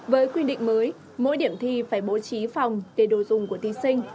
với quy định mới mỗi điểm thi phải bố trí phòng để đồ dùng của thí sinh